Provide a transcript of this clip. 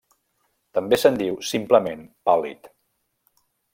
També se'n diu, simplement, pàl·lid.